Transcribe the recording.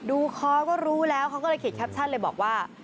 คอก็รู้แล้วเขาก็เลยเขียนแคปชั่นเลยบอกว่า